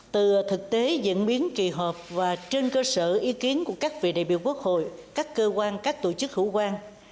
từ thực tế diễn biến kỳ họp và trên cơ sở ý kiến của các vị đại biểu quốc hội các cơ quan các tổ chức hữu quan